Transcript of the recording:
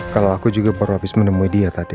kalau aku juga baru habis menemui dia tadi